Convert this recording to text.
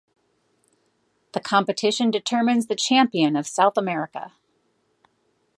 The competition determines the champion of South America.